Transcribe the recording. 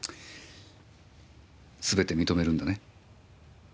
すべて認めるんだね？